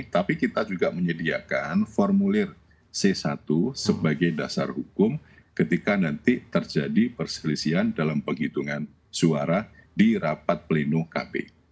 tapi kita juga menyediakan formulir c satu sebagai dasar hukum ketika nanti terjadi perselisian dalam penghitungan suara di rapat pleno kb